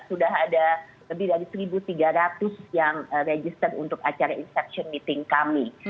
sudah ada lebih dari satu tiga ratus yang register untuk acara inspection meeting kami